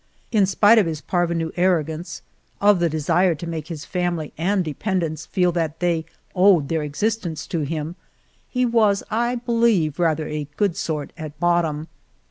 In spite of his parvenu arrogance of the desire to make his family and dependents feel that they owed their existence to him, he was, I believe, rather a good sort at bottom.